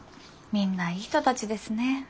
みんないい人たちですね。